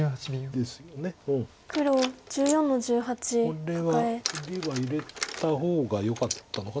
これは切りは入れた方がよかったのかな。